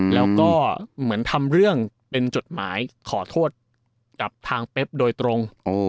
แล้วก็เหมือนทำเรื่องเป็นจดหมายขอโทษกับทางเป๊บโดยตรง